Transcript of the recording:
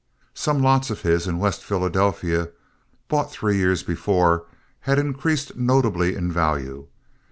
Some lots of his in West Philadelphia, bought three years before, had increased notably in value.